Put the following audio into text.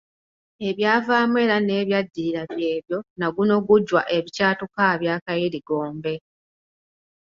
Ebyavaamu era n’ebyaddirira byebyo nagunogujwa ebikyatukaabya akayirigombe.